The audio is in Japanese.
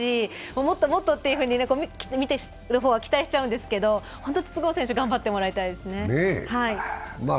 もっともっとというふうに見ている方は期待してしまうんですけどホント、筒香選手頑張ってもらいたいですね。